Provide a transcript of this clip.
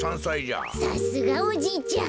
さすがおじいちゃん。